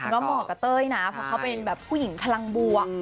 ก็เหมาะกับเต้ยนะเพราะเขาเป็นแบบผู้หญิงพลังบวก